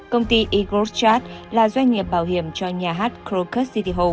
công ty escort trust là doanh nghiệp bảo hiểm cho nhà hát krokus city hall